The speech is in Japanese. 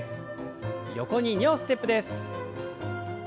横に２歩ステップです。